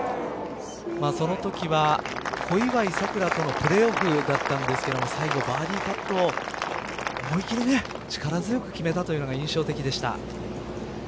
そのときは小祝さくらとのプレーオフだったんですけども最後バーディーパットを思い切り力強く決めたというのが印象的でした。